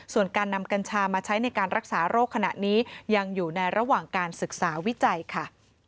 ส่วนการนำกัญชามาใช้ในการรักษาโรคขณะนี้ยังอยู่ในระหว่างการศึกษาวิจัยค่ะ